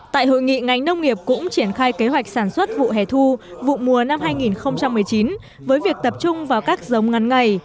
tại hội nghị ngành nông nghiệp cũng triển khai kế hoạch sản xuất vụ hẻ thu vụ mùa năm hai nghìn một mươi chín với việc tập trung vào các giống ngắn ngày